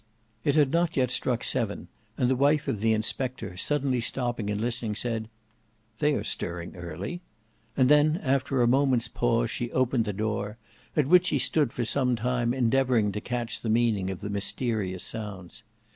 It had not yet struck seven, and the wife of the inspector suddenly stopping and listening, said, "They are stirring early:" and then, after a moment's pause, she opened the door, at which she stood for some time endeavouring to catch the meaning of the mysterious sounds.